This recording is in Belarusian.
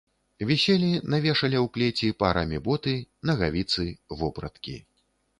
Віселі на вешале ў клеці парамі боты, нагавіцы, вопраткі.